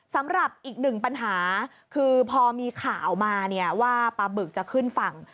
สำหรับอีกหนึ่งปัญหาคือพอมีข่าวมาเนี่ยว่าปลาบึกจะขึ้นฝั่ง